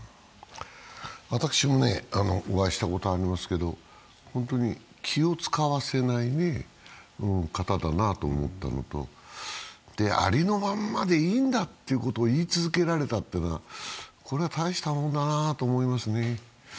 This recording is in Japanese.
私もお会いしたことありますけど、本当に気を遣わせない方だなと思ったのと、ありのままでいいんだということを言い続けられたということはこれは大したもんだなと思いますね。